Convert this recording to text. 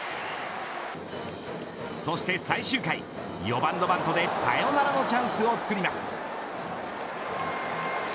そして最終回、４番のバットでサヨナラのチャンスをつくります。